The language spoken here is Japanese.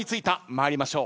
参りましょう。